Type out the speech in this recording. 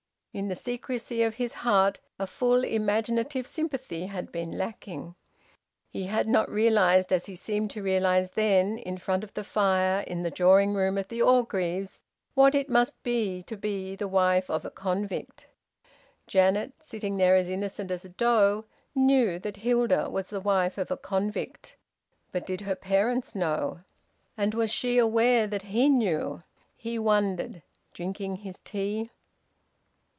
In the secrecy of his heart a full imaginative sympathy had been lacking. He had not realised, as he seemed to realise then, in front of the fire in the drawing room of the Orgreaves, what it must be to be the wife of a convict. Janet, sitting there as innocent as a doe, knew that Hilda was the wife of a convict. But did her parents know? And was she aware that he knew? He wondered, drinking his tea.